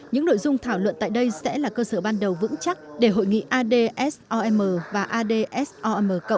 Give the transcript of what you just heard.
những nội dung thảo luận tại đây sẽ là cơ sở ban đầu vững chắc để hội nghị adsom và adsom